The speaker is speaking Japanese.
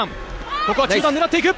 ここは中段、狙っていく。